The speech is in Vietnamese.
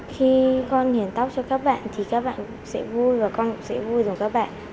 khi con hiền tóc cho các bạn thì các bạn sẽ vui và con cũng sẽ vui rồi các bạn